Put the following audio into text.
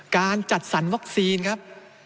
การจัดสรรวัคซีนครับ